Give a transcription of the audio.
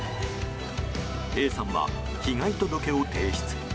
Ａさんは被害届を提出。